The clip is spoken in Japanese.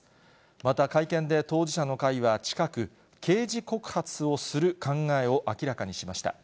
また、会見で当事者の会は近く、刑事告発をする考えを明らかにしました。